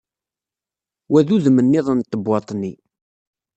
Wa d udem nniḍen n tebwaḍt-nni.